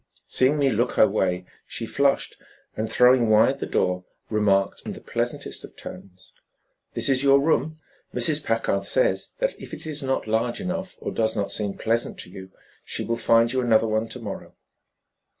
Seeing me look her way, she flushed, and, throwing wide the door, remarked in the pleasantest of tones: "This is your room. Mrs. Packard says that if it is not large enough or does not seem pleasant to you, she will find you another one to morrow."